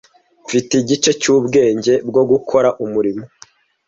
Mfite igice cyubwenge bwo gukora umurimo.